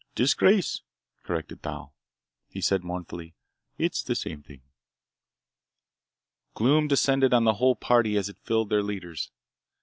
"Disgraced," corrected Thal. He said mournfully, "It's the same thing." Gloom descended on the whole party as it filled their leaders.